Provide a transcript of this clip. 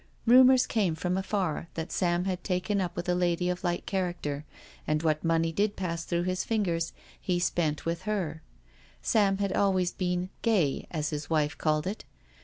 Rumours came from afar that Sam had taken up with a lady of light character, and what money did pass through his fingers he spent with her — Sam had always been '* gay,*' as his wife called it.